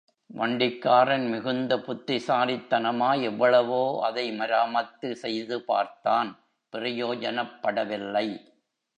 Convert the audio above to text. வண்டிக்காரன் மிகுந்த புத்திசாலித்தனமாய் எவ்வளவோ அதை மராமத்து செய்து பார்த்தான் பிரயோஜனப்படவில்லை.